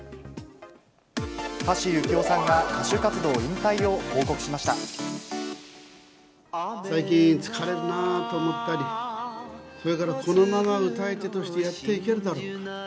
橋幸夫さんが歌手活動引退を最近、疲れるなぁーと思ったり、それからこのまま歌い手としてやっていけるだろうか。